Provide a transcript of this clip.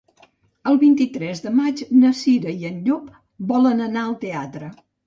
El vint-i-tres de maig na Cira i en Llop volen anar al teatre.